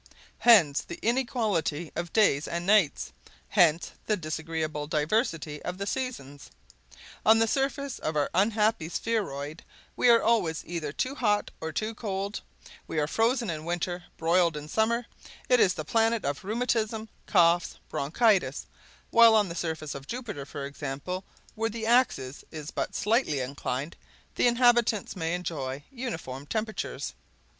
Hence the inequality of days and nights; hence the disagreeable diversity of the seasons. On the surface of our unhappy spheroid we are always either too hot or too cold; we are frozen in winter, broiled in summer; it is the planet of rheumatism, coughs, bronchitis; while on the surface of Jupiter, for example, where the axis is but slightly inclined, the inhabitants may enjoy uniform temperatures.